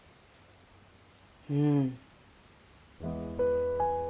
うん。